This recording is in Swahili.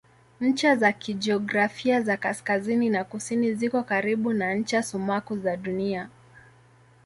Ncha za kijiografia za kaskazini na kusini ziko karibu na ncha sumaku za Dunia.